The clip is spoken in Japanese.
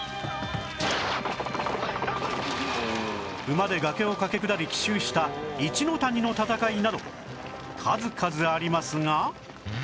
馬で崖を駆け下り奇襲した一ノ谷の戦いなど数々ありますが